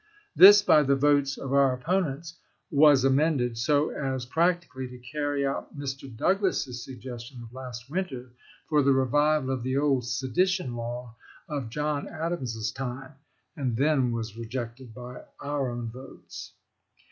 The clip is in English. This by the votes of our opponents was amended so as prac tically to carry out Mr. Douglas's suggestion of last winter for the revival of the old Sedition law of John Adams's time, and then was rejected by our own votes.